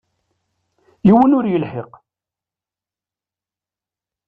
Yiwen ur yelḥiq.